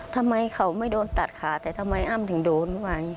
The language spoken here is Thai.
ทำไมเขาไม่โดนตัดขาแต่ทำไมอ้ำถึงโดนไว้